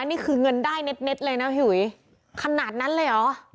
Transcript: นี่คือเงินได้เน็ตเลยนะขนาดนั้นเลยหรอ